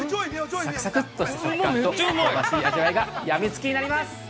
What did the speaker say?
サクサクッとした食感と、おいしい味わいが、病みつきになります！